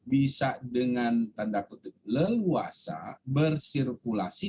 bisa dengan tanda kutip leluasa bersirkulasi